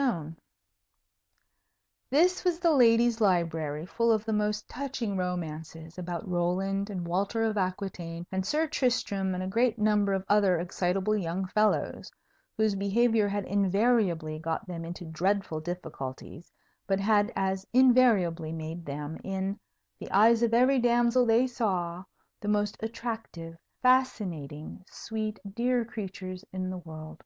[Illustration: SIR GODFREY getteth in to hys Bath] This was the ladies' library, full of the most touching romances about Roland, and Walter of Aquitaine, and Sir Tristram, and a great number of other excitable young fellows, whose behaviour had invariably got them into dreadful difficulties, but had as invariably made them, in the eyes of every damsel they saw, the most attractive, fascinating, sweet, dear creatures in the world.